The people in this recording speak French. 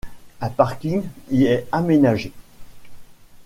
Un parking y est aménagé.